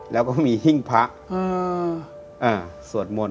แล้วก็มีหิ้งพระสวดมนต์